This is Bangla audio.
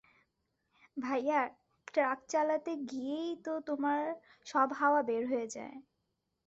ভাইয়া, ট্রাক চালাতে গিয়েই তো তোমার সব হাওয়া বের হয়ে যায়।